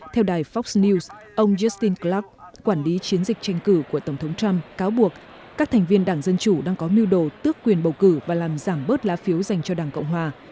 theo đài fox news ông justin clark quản lý chiến dịch tranh cử của tổng thống trump cáo buộc các thành viên đảng dân chủ đang có mưu đồ tước quyền bầu cử và làm giảm bớt lá phiếu dành cho đảng cộng hòa